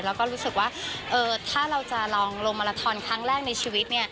แล้วก็รู้สึกว่าถ้าเราจะลองลงมาลาทอนครั้งแรกในชีวิต